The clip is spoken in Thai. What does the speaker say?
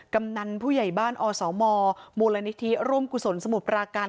กำนันผู้ใหญ่บ้านอสมมูลนิธิร่วมกุศลสมุทรปราการ